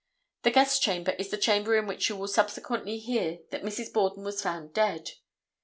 The guest chamber is the chamber in which you will subsequently hear that Mrs. Borden was found dead.